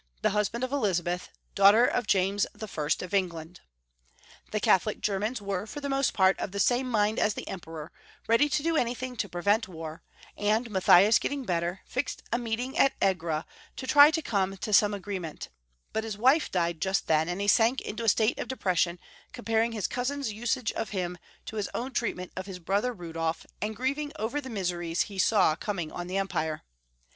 husband of Elizabeth, daughter of James I. of England. The Catholic Germans were for the most part of the same mind as the Emperor, ready to do any thing to prevent war, and Matthias getting better, fixed a meeting at Egra to try to come to some agreement, but his wife died just then, and he sank into a state of depression, comparing his cousin's usage of liim to his own treatment of his brother Rudolf, and grieving over the miseries he saw coming on the Empire.